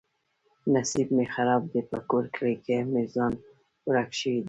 نصیب مې خراب دی. په کور کلي کې مې ځای ورک شوی دی.